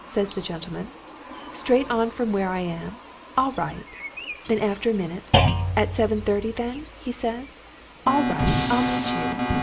says the gentleman, 'Straight on from where I am all right.' Then after a minute, 'At seven thirty, then?' he says. 'All right I'll meet you.'